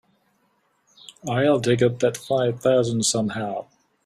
I'll dig up that five thousand somehow.